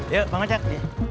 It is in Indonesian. yuk bangun cek